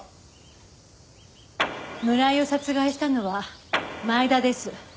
村井を殺害したのは前田です。